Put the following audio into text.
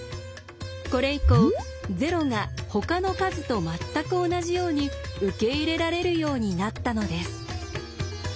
これ以降０がほかの数と全く同じように受け入れられるようになったのです。